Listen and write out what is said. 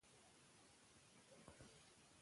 اسلام د عدل، رحمت او علم دین دی.